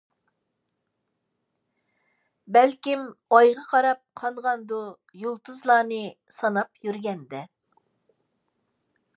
بەلكىم ئايغا قاراپ قالغاندۇ، يۇلتۇزلارنى ساناپ يۈرگەندۇ.